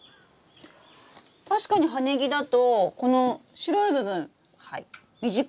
確かに葉ネギだとこの白い部分短いですね。